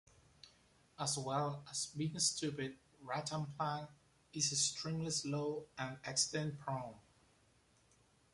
As well as being stupid, Rantanplan is extremely slow and accident-prone.